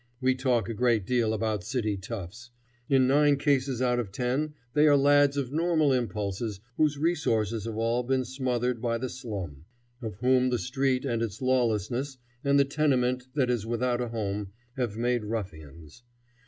We talk a great deal about city toughs. In nine cases out of ten they are lads of normal impulses whose resources have all been smothered by the slum; of whom the street and its lawlessness, and the tenement that is without a home, have made ruffians.